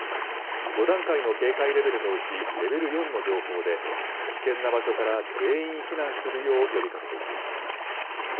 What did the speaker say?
５段階の警戒レベルのうちレベル４の情報で、危険な場所から全員避難するよう呼びかけています。